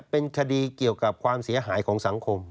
เป็นคดีเกี่ยวกับความเสียหายของสังคม